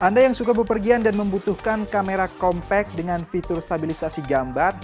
anda yang suka berpergian dan membutuhkan kamera kompak dengan fitur stabilisasi gambar